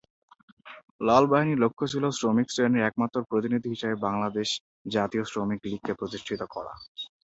লাল বাহিনীর লক্ষ্য ছিল শ্রমিক শ্রেণির একমাত্র প্রতিনিধি হিসেবে বাংলাদেশ জাতীয় শ্রমিক লীগকে প্রতিষ্ঠিত করা।